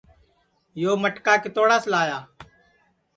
یو مٹکا کِتوڑاس لایا